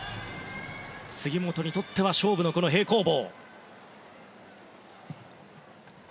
杉本にとっては勝負のこの平行棒。